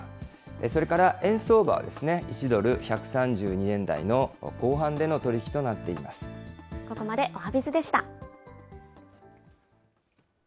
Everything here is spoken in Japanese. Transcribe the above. それから円相場は、１ドル１３２円台の後半での取り引きとなってここまでおはＢｉｚでした。